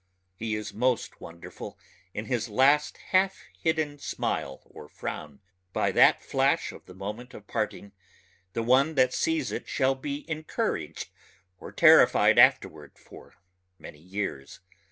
He is most wonderful in his last half hidden smile or frown ... by that flash of the moment of parting the one that sees it shall be encouraged or terrified afterward for many years.